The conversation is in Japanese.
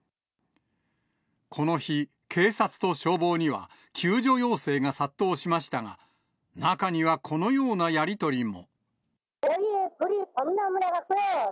この日、警察と消防には救助要請が殺到しましたが、中にはこのようなやり取りも。